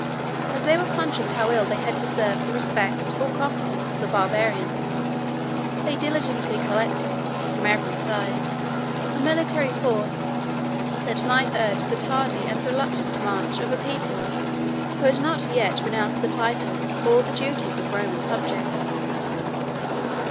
As they were conscious how ill they had deserved the respect, or confidence, of the Barbarians, they diligently collected, from every side, a military force, that might urge the tardy and reluctant march of a people, who had not yet renounced the title, or the duties, of Roman subjects.